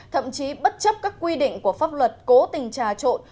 thậm chí bất chấp các quy định của pháp luật cố tình trà trộn